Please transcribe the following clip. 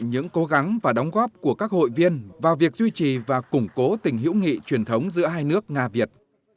những cố gắng và đóng góp của các hội viên vào việc duy trì và củng cố tình hữu nghị truyền thống giữa hai nước nga việt